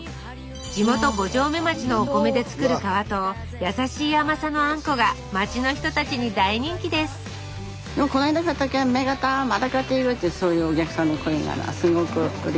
地元五城目町のお米で作る皮とやさしい甘さのあんこが町の人たちに大人気ですこの人面白そやなあ。